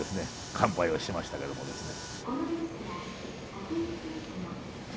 乾杯をしましたけどもですね。